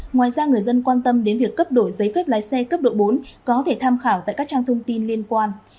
ngoài ra người dân quan tâm đến việc cấp đổi giấy phép lái xe cấp độ bốn có thể tham khảo tại các trang thông tin liên quan